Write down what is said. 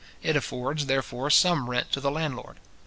It affords, therefore, some rent to the landlord.